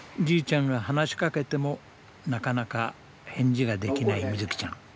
じいちゃんが話しかけてもなかなか返事ができないみずきちゃん。